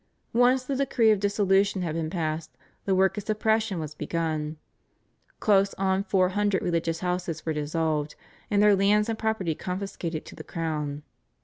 Once the decree of dissolution had been passed the work of suppression was begun. Close on four hundred religious houses were dissolved, and their lands and property confiscated to the crown.